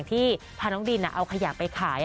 ที่พาน้องดินเอาขยะไปขาย